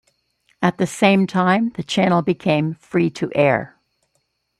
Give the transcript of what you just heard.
At the same time the channel became free-to-air.